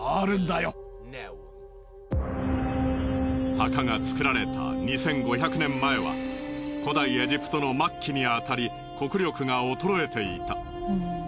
墓が造られた２５００年前は古代エジプトの末期にあたり国力が衰えていた。